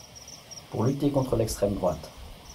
Pour lutter contre l’extrême droite.